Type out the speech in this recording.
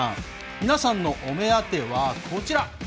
皆さんのお目当てはこちら。